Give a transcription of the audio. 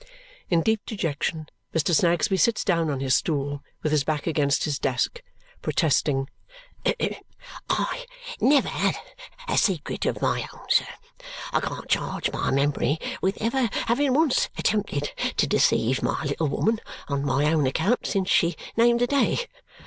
In deep dejection Mr. Snagsby sits down on his stool, with his back against his desk, protesting, "I never had a secret of my own, sir. I can't charge my memory with ever having once attempted to deceive my little woman on my own account since she named the day.